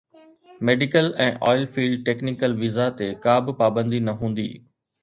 medical ۽ oil field technical visa تي ڪا به پابندي نه هوندي